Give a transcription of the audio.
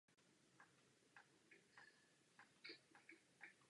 Americká židovská komunita zase sehrála důležitou roli v dějinách židovského národa.